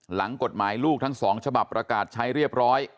หลังกฎหมายลูกทั้ง๒ฉบับประกาศใช้เรียบร้อย